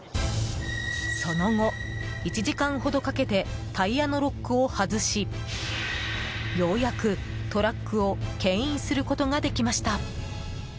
その後、１時間ほどかけてタイヤのロックを外しようやくトラックを牽引することができました。